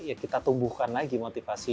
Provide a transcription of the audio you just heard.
ya kita tumbuhkan lagi motivasi